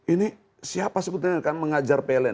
ini siapa sebetulnya yang akan mengajar pln